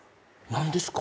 何ですか？